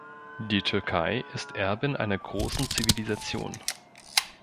Die Türkei ist Erbin einer großen Zivilisation.